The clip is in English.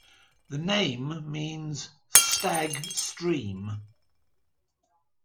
The name means 'stag stream'.